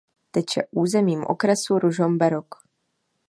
Teče územím okresu Ružomberok.